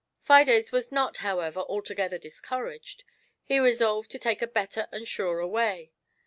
Fides was not, however, altogether discouraged ; he resolved to take a better and surer way.